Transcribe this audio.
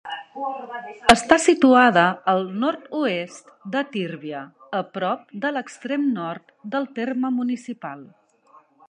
Està situada al nord-oest de Tírvia, a prop de l'extrem nord del terme municipal.